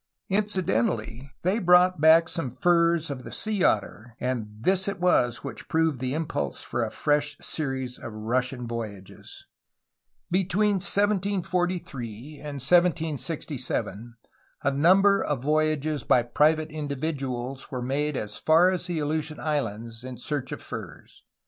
Incidentally, they brought back some furs of the sea otter, and this it was which proved the impulse for a fresh series of Russian voyages. Between 1743 and 1767 a number of voyages by private individuals were made as far as the Aleutian Islands in search of furs.